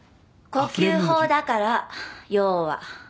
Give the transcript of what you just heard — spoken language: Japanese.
呼吸法だから要は。